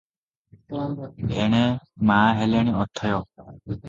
ଏଣେ ମା ହେଲେଣି ଅଥୟ ।